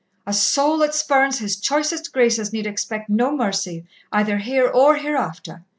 A soul that spurns His choicest graces need expect no mercy, either here or hereafter.